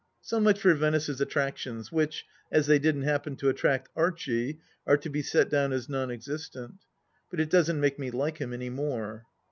So much for Venice's attractions, which, as they didn't happen to attract Archie, are to be set down as non existent. But it doesn't make me like him any more.